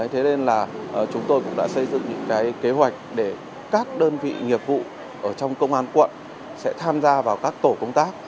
thế nên là chúng tôi cũng đã xây dựng những kế hoạch để các đơn vị nghiệp vụ ở trong công an quận sẽ tham gia vào các tổ công tác